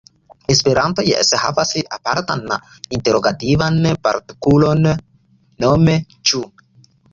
Esperanto jes havas apartan interogativan partukulon, nome "ĉu".